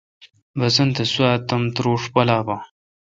بسنت سوا تمتوروݭ پالا بون۔